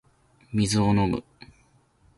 水を飲む